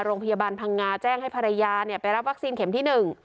โรงพยาบาลพังงาแจ้งให้ภรรยาไปรับวัคซีนเข็มที่๑